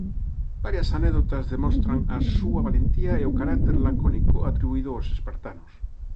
Varias anécdotas demostran a súa valentía e o carácter lacónico atribuído ós espartanos.